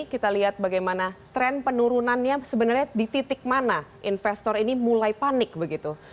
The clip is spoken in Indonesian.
kita lihat bagaimana tren penurunannya sebenarnya di titik mana investor ini mulai panik begitu